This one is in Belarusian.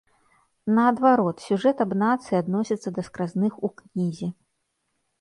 Наадварот, сюжэт аб нацыі адносіцца да скразных у кнізе.